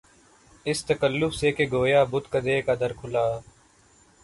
اس تکلف سے کہ گویا بت کدے کا در کھلا